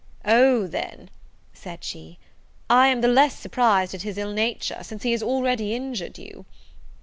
"O, then," said she, "I am the less surprised at his ill nature, since he has already injured you."